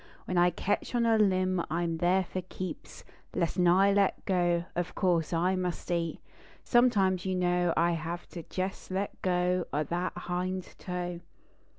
When I ketch on a limb I m there for keeps I,esn I let go. Of course I must eat. Sometimes, you know, I have to jes let go () that hind toe.